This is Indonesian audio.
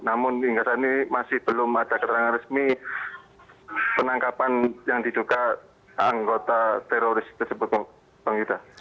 namun hingga saat ini masih belum ada keterangan resmi penangkapan yang diduga anggota teroris tersebut bang ida